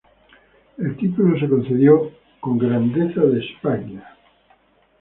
El título se concedió con Grandeza de España.